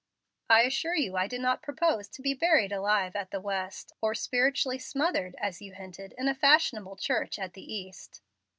"I assure you I do not propose to be buried alive at the West, or spiritually smothered, as you hinted, in a fashionable church at the East.